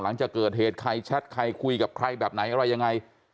หลังจากเกิดเหตุใครแชทใครคุยกับใครแบบไหนอะไรยังไง